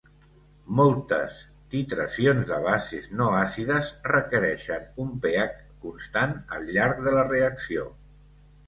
Moltes titracions de bases no-àcides requereixen un pH constant al llarg de la reacció.